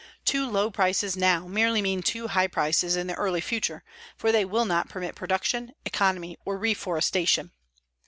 Too low prices now merely mean too high prices in the early future, for they will not permit protection, economy or reforestation.